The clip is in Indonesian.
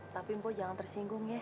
tapi mpo jangan tersinggung ya